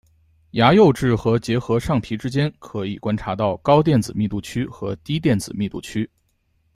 牙釉质和结合上皮之间可以观察到高电子密度区和低电子密度区。